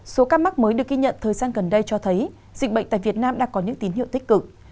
số ca mắc mới được ghi nhận thời gian gần đây cho thấy dịch bệnh tại việt nam đã có những tín hiệu tích cực